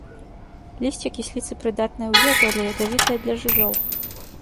Лісце кісліцы прыдатнае ў ежу, але ядавітае для жывёл.